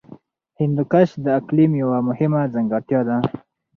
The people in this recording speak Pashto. هندوکش د اقلیم یوه مهمه ځانګړتیا ده.